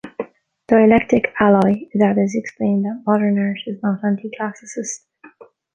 Dialectic-ally, Edades explained that Modern Art is not anti-Classicist.